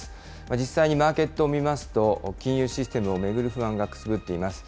実際にマーケットを見ますと、金融システムを巡る不安がくすぶっています。